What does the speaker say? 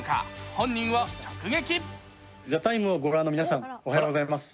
本人を直撃。